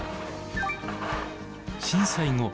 震災後